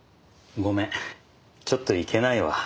ごめんちょっと行けないわ。